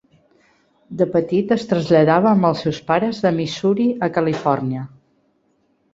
De petit es traslladava amb els seus pares de Missouri a Califòrnia.